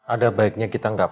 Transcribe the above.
ada baiknya kita gak paham